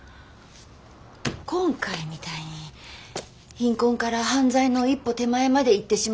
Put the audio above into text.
今回みたいに貧困から犯罪の一歩手前までいってしまった児童。